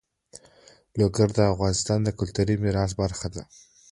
لوگر د افغانستان د کلتوري میراث برخه ده.